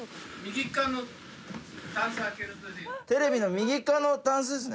テレビの右側のたんす？